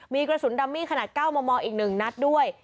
มีกระสุนดัมมี่ขนาด๙มมอีก๑นัดด้วย